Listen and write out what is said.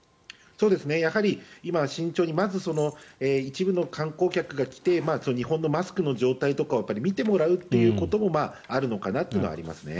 やはり今、慎重にまず一部の観光客が来て日本のマスクの状態とかを見てもらうということもあるのかなというのはありますね。